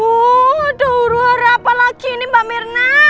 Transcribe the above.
ada uruhara apa lagi ini mbak mirna